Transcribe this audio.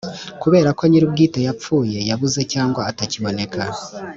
kubera ko nyir‘ubwite yapfuye yabuze cyangwa atakiboneka.